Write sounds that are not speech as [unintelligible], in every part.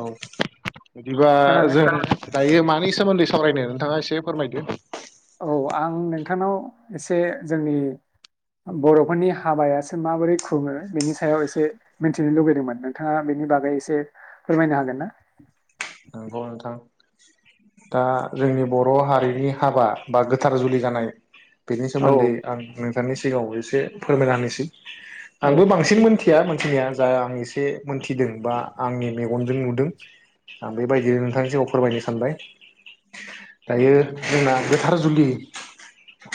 औ बिदिबा खोनादों जों दायो मानि सोमोन्दै सावरायनो नोंथाङा एसे फोरमायदो औ आं नोंथांनाव एसे जोंनि बर'फोरनि हाबायासो माबोरै खुङो बेनि सायाव एसे मिथिनो लुुबैदोंमोन नोंथाङा बेनि बागै एसे फोरमायनो हागोन ना? नोंगौ नोंथां दा जोंनि बर' हारिनि हाबा बा गोथार जुलि जानाय बेनि औ सोमोन्दै आं नोंथांनि सिगाङाव एसे फोरमायना होनोसै औ आंबो बांसिन मोनथि थिया मोनथिनाया जा आं एसे मोनथिदों बा आंनि मेगनजों नुदों। आं बेबायदिनो नोंथांनि सिगाङाव फोरमायनो सानबाय दायो जोंना गोथार जुलि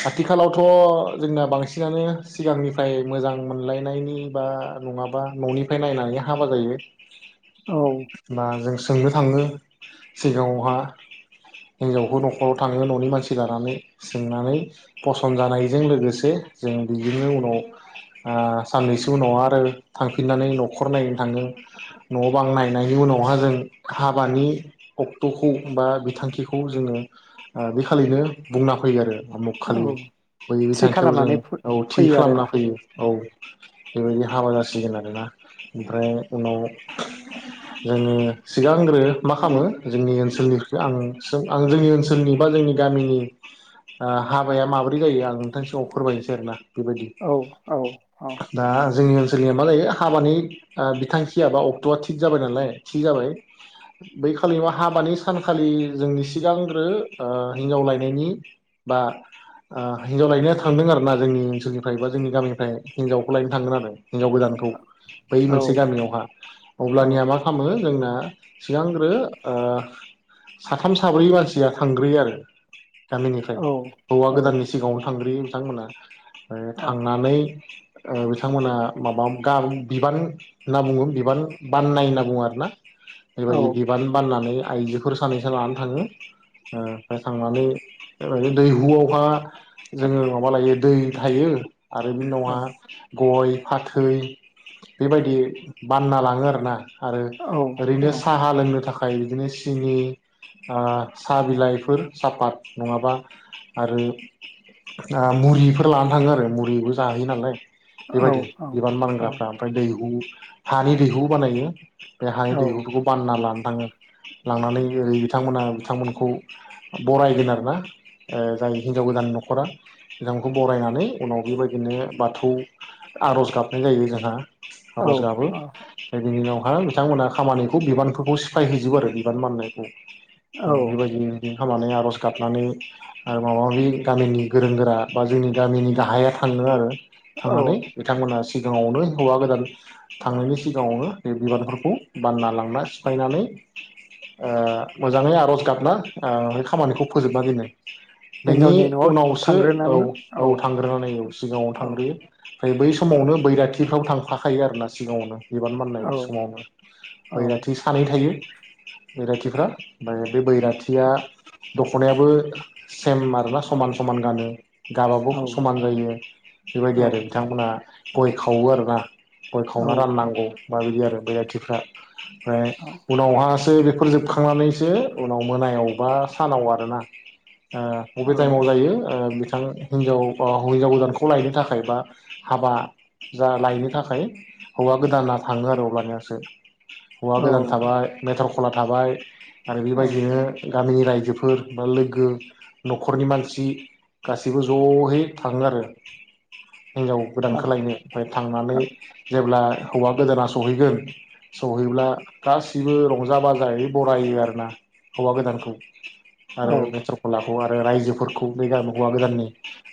आथिखालावथ' जोंना बांसिनानो सिगांनिफ्राय मोजां मोनलायनायनि बा नङाबा न'निफ्राय नायनानै हाबा जायो। औ मा जों सोंनो थाङो सिगाङावहा हिनजावखौ न'खराव थाङो न'नि मानसि लानानै सोंनानै फसन्द जानायजों लोगोसे जों बिजोंनो उनाव ओ साननैसो उनाव आरो थांफिननानै न'खर नायनो थाङो न' बां नायनायनि उनावहा जों हाबानि अक्ट'खौ बा बिथांखिखौ जोङो ओ बे खालिनो बुंना फैयो आरो। उमुख औ खालि बै थि बिथांखियाव जों खालामनानै औ थि फैयो खालामना आरोना फैयो औ। बेबायदि हाबा जासिगोन आरोना ओमफ्राय उनाव जोङो सिगांग्रो मा खालामो जोंनि ओनसोलनि आं जों आं जोंनि ओनसोलनि बा जोंनि गामिनि ओ हाबाया माब्रै जायो आं नोंथां सिगाङाव फोरमायनोसै आरोना। बेबायदि औ औ औ दा जोंनि ओन सोलनिया मा जायो हाबानि ओ बिथांखिया बा अक्ट'आ थिग जाबाय नालाय थिग जाबाय बै खालि हाबानि सानखालि जोंनि सिगांग्रो ओ हिनजाव लायनायनि बा ओ हिनजाव लायनाया थांदों आरोना जोंनि ओनसोलनिफ्राय बा जोंनि गामिनिफ्राय हिनजावखौ लायनो थांगोन आरो हिनजाव गोदानखौ बै औ मोनसे गामियावहा औ अब्लानिया मा खालामो जोंना सिगांग्रो ओ साथाम साब्रै मानसिया थांग्रोयो आरो गामिनिफ्राय हौवा गोदाननि सिगाङाव थांग्रोयो बिथांमोना औ थांनानै बिथांमोना माबा बिबान होनना बुङो बिबान बाननाय होनना बुङो आरोना औ बेबायदि बिबान बाननानै आइजोफोर सानैसा लानानै थाङो ओमफ्राय थांनानै ओनो दैहुआवबा जोङो माबा लायो दै थायो आरो बिनि औ उनावहा गय फाथै बेबायदि बानना लाङो आरोना आरो औ ओरैनो [unintelligible] थाखाय बिदिनो सिनि ओ साहा बिलाइफोर साहापात नङाबा आरो मुरिफोर लान थाङो आरो मुरिबो जाहोयो नालाय बेबायदि औ बिबान बानग्राफ्रा ओमफ्राय दैहु हानि दैहु बानायो बेेहाय दैहुखौ लाना थाङो लांनानै ओरै बिथांमोना बिथांमोनखौ बरायगोन आरोना जाय हिनजाव गोदाननि न'खरा बिथांमोनखौ बरायनानै उनाव बेबायदिनो बाथौ आर'ज गाबनाय जायो ओजोंहा औ आर'ज गाबो फ्राय बिनि उनाव बिथांमोना खामानि खौ बिबानफोरखौ सिफायहैजोबो आरो बिबान बाननायखौ औ बिबायदिनो बे खामनानै आरज गाबनानै आरो माबा माबि गामिनि गोरों गोरा बा जोंनि गामिनि गाहाया थाङो आरो औ थांनानै बिथांमोना सिगाङावनो हौवा गोदान थांनायनि सिगाङावनो बे बिबानफोरखौ बान्ना ला ना सिफायनानै ओ मोजाङै आरज गाबना ओ बे खामानिखौ फोजोबना दोनो बेनि हिन्जावनि न'आव उनावसो औ थांग्रोनानै औ थांग्रोनानै औ सिगाङाव औ थांग्रोयो ओमफ्राय बै औ समावनो बैराथिफ्राव थां थाखायो आरो ना सिगाङावनो बिबान औ बाननाय समावनो बैराथि सानै थायो बैराथिफ्रा ओमफ्राय बे बैराथिया औ दख'नायाबो सेम आरोना समान समान गानो गाबाबो औ समान जायो औ बेबायदि आरो बिथांमोनहा गय खावो आरोना गय खावना औ राननांगौ माबायदि आरो बैरथिफ्रा ओमफ्राय औ उनावहा जे बेफोर जोबखांनानैसो उनाव मोनायाव बा सानाव आरोना । ओ बबे औ टाइमाव जायो ओ बिथ बिथांङा ओ हिनजाव हिनजाव गोदानखौ लायनो थाखाय बा हाबा जा लायनो थाखाय हौवा गोदाना थाङो आरो अब्लानियासो । हौवा औ गोदान थाबाय बेथर खला थाबाय । आरो औ बेबायदिनो गामिनि रायजोफोर बा लोगो न'खरनि मानसि गासिबो ज'यै थाङो आरो । हिनजाव गोदानखौलायनो ओमफ्राय थांनानै जेब्ला हौवा गोदाना सहैगोन सहैब्ला गाससिबो रंजा बाजायै बरायो आरोना हौवा गोदानखौ । आरो बेसरखौ ला खौ आरो रायजोफोरखौ बे गामि हौवा गोदाननि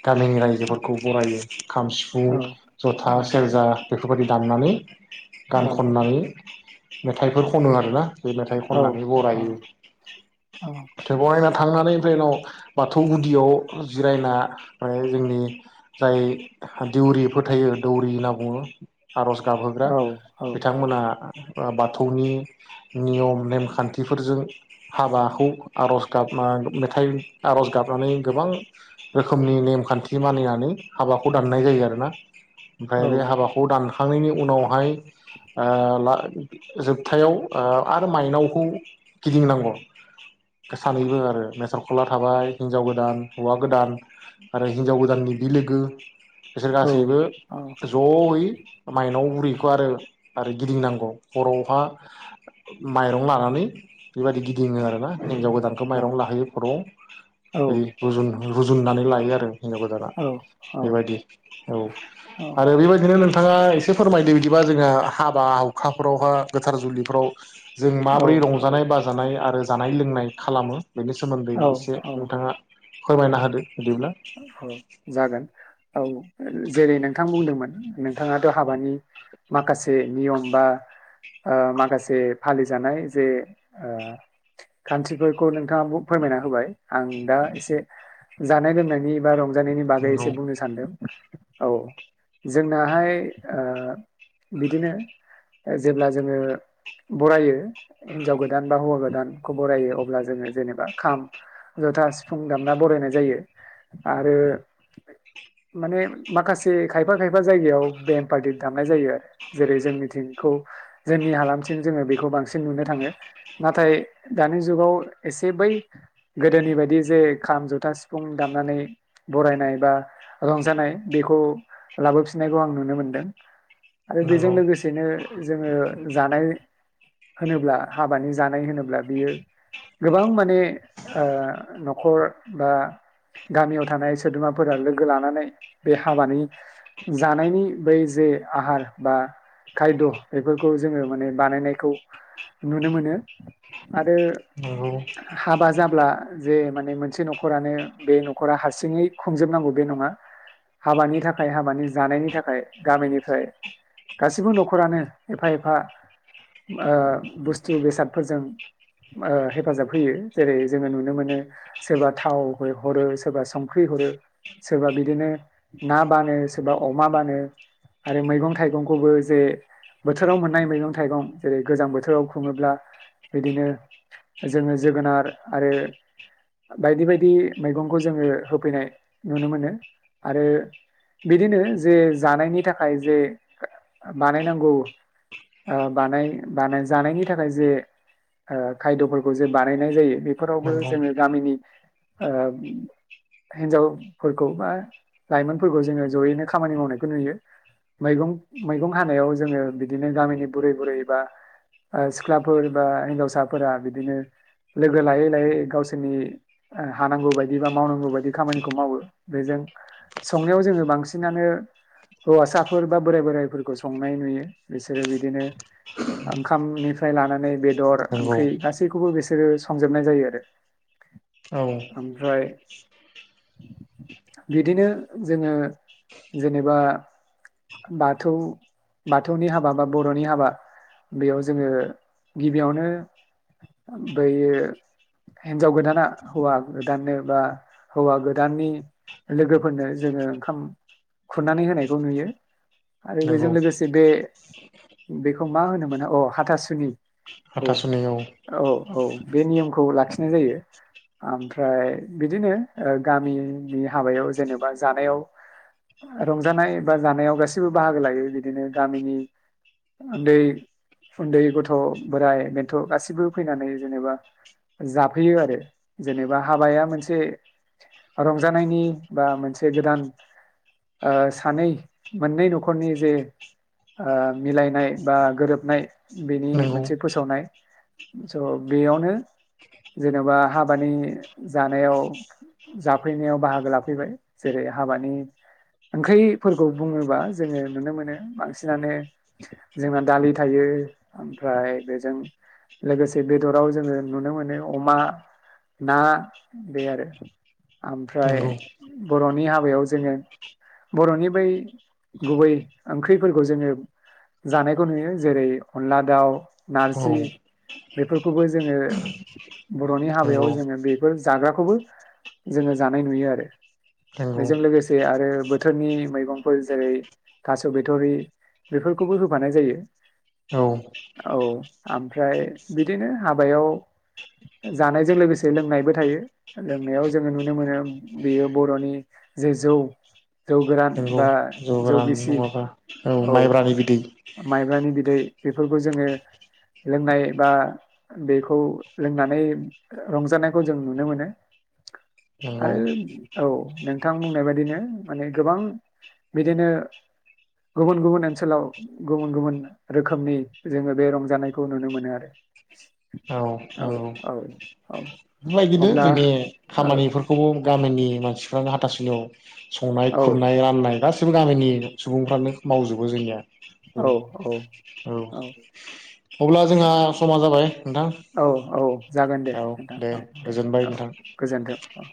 गामिनि रायजोफोरखौ बरायो । खाम, सिफुं, जथा, सेरजा बेफोरबायदि दामनानै गान खननानै मेथाइफोर खनो आरोना । बे मेथाइ खननानै बरायो थेवबावहाय ना । थांनानै ओफ्राय उनाव बाथौ गुदियाव जिरायना जोंनि जाय दौरिफोरो थायो दौरि होनना बुङो । आर'ज गाबहोग्रा औ बिथांमोना ओ बाथौनि नियम नेमखान्थिफोरजों हाबाखौ आर'ज गाबना मेथाइ आर'ज गाबनानै गोबां रोखोमनि नेमखान्थि मानिनानै हाबाखौ दाननाय जायो आरोना । औ ओमफ्राय बे हाबाखौ दानखा खांनायनि उनावहाय ओ ला जोबथायाव ओ आरो माइनावखौ गिदिंनांगौ सानैबो आरो मेसरखला थाबाय हिनजाव गोदान हौवा गोदान आरो हिनजाव गोदाननि बि लोगो बिसोर गासैबो ज'यै माइनाव बुरैखौ आरो आरो गिदिंनांगौ । खर'आवहा माइरं लानानै बेबायदि गिदिङो आरोना । हिन्जाव गोदानखौ माइरं लाहैयो खर'आव बै रुजुन रुजुननानै लायो आरो । हिनजाव गोदाना बेबायदि औ आरो बेबायदिनो नों नोंथाङा एसे फोरमायदो बिदिबा जोङो हाबा हुखा फोरावहा गोथार जुलिफोराव जों माबोरै रंजानाय बा जानाय आरो जानाय लोंनाय खालामो बेनि सोमोन्दै एसे नोंथाङा फोरमायना होदो बिदिब्ला औ जागोन औ जेरै नोंथां बुंदोंमोन नोंथाङाथ' हाबानि माखासे नियम बा माखासे ओ फालिजानाय जे ओ खान्थिफोरखौ नोंथाङा फोरमायना होबाय आं दा एसे जानाय लोंनाय बिबार [unintelligible] जानायनि बागै नंगौ एसे बुंनो सानदों औ जोंनाहाय ओ बिदिनो जेब्ला जोङो बरायो हिनजाव गोदान बा हौवा गोदानखौ बरायो अब्ला जोङो जेनेबा खाम जथा सिफुं दामना बरायनाय जायो आरो माने माखासे खायफा खायफा जायगायाव बेमफाथि दामनाय जायो आरो जेरै जोंनिथिंखौ जोंनि हालामथिं जोङो बेखौ बांसिन नुनो थाङो नाथाय दानि जुगाव एसे बै गोदोनि बायदि जे खाम जथा सिफुं दामनाय नानै बरायनाय बा रंजानाय बेखौ लाबोफिननायखौ आं नुनो मोनदों आरो बेजों नंगौ लोगोसेनो जोङो जानाय होनोब्ला हाबानि जानाय होनो ब्ला बियो गोबां माने ओ न न'खर बा गामियाव थानाय सोद्रोमाफोरा लोगो लानानै बे हाबानि जानायनि बै जे आहार बा खायद' बेफोरखौ जोङो माने बानायनायखौ नुनो मोनो आरो हाबा जाब्ला जे माने मोनसे न'खरानो बे न'खरा हारसिङै खुंजोबनांगौ बे नङा हाबानि थाखाय हाबानि जानायनि थाखाय गामिनिफ्राय गासिबो न'खरानो एफा एफा ओ बुस्थु बेसादफोरजों ओ हेफाजाब होयो जेरै जोङो नुनो मोनो सोरबा थाव हरो सोरबा संख्रि हरो सोरबा बिदिनो ना बानो सोरबा अमा बानो आरो मैगं थाइगंखौबो जे बोथोराव मोननाय मैगं थाइगं जेरै गोजां बोथोराव खुङोब्ला बिदिनो जोङो जोगोनार आरो बायदि बायदि मैगंखौ जोङो होफैनाय नुनो मोनो आरो बिदिनो जे जानायनि थाखाय जे बानायनांगौ ओ बानाय बानाय जानायनि थाखाय जे ओ खायद'फोरखौ जे बानायनाय जायो बे फोरावबो नंगौ जोङो गामिनि ओ हिन्जावफोरखौ बा लाइमोनफोरखौ जोङो जयैनो खामानि मावनायखौ नुयो मैगं मैगं हानायाव जोङो बिदिनो गामिनि बुरै बुरै बा सिख्लाफोर बा हिनजावसाफोरा बिदिनो लोगो लायै लायै गावसोरनि आं हानांगौ बायदि बा मावनांगौ बायदि खामानिखौ मावो बेजों संनायाव जोङो बांसिनानो हौवासाफोर बा बोराइ बोराइफोरखौ संनाय नुयो बिसोरो बिदिनो ओंखामनिफ्राय लानानै बेदर नंगौ नंगौ ओंख्रि गासैखौबो बेसोर बिसोरो संजोबनाय जायो आरो औ ओमफ्राय बिदिनो जोङो जेनेबा बाथौ बाथौनि हाबा बा बर'नि हाबा बेयाव जोङो गिबियावनो बैयो हिन्जाव गोदाना हौवा गोदाननो बा हौवा गोदाननि लोगोफोरनो जोङो ओंखाम खुरनानै होनायखौ नुयो आरो नंगौ बेजों लोगोसे बे बेखौ मा होनोमोना अ हाथासुनि औ औ औ औ बे नियमखौ लाखिनाय जायो ओमफ्राय बिदिनो ओ गामिनि हाबायाव जेनेबा जानायाव रंजानाय बा जानायाव गा सिबो बाहागो लायो बिदिनो गामिनि उन्दै उन्दै गथ' बोराइ बेन्थ' गासिबो फैनानै जेनेबा जाफैयो आरो जेनेबा हाबाया मोनसे रंजानायनि बा मोनसे गोदान ओ सानै मोननै न'खरनि जे आ मिलायनाय बा गोरोबनाय बेनि नंगौ मोनसे फोसावनाय। स' बेयावनो जेन'बा हाबानि जानायाव जाफैनायाव बाहागो लाफैबाय जेरै हाबानि ओंख्रिफोरखौ बुङोबा जोङो नुनो मोनो बांसिनानो जोंना दालि थायो ओमफ्राय बेजों लोगोसे बेदराव जोङो नुनो मोनो अमा ना बे आरो ओमफ्राय नंगौ बर'नि हाबायाव जोङो बर'नि बै गुबै ओंख्रिफोरखौ जोङो जानायखौ नुयो जेरै अनला दाउ औ नारजि बेफोरखौबो जोङो बर'नि हाबायाव नंगौ जोङो बेफोर जाग्राखौबो जोङो जानाय नुयो आरो नंगौ बेजों लोगोसे आरो बोथोरनि मैगं फोर जेरै थास' बिथ'रि बेफोरखौबो होफानाय जायो औ औ ओमफ्राय बिदिनो हाबायाव जानायजों लोगोसे लोंनायबो थायो। लोंनायाव जोङो नुनो मोनो बेयो बर'नि जे जौ जौ गोरान नंगौ बा जौ गोरान गिसि नङाबा औ माइब्रानि बिदै दै बेफोरखौ जोङो लोंनाय बा बेखौ लोंनानै रंजानायखौ जों नुनो मोनो नंगौ आरो औ नोंथां बुंनाय बायदिनो माने गोबां बिदिनो गुबुन गुबुन ओनसोलाव गुबुन गुबुन रोखोमनि जोङो बे रंजानायखौ नुनो मोनो आरो औ औ औ। नों अब्ला [unintelligible] औ खामानिफोरखौबो गामिनि मानसिफ्रानो हाथासुनियाव संनाय औ खुरनाय राननाय गासि बो गामिनि सुबुंफ्रानो मावजोबो जोंनिया। औ। औ अब्ला जोंहा समा जाबाय नोंथां। औ औ जागोन दे औ नोंथां औ दे गोजोनबाय औ नोंथां गोजोन्थों औ।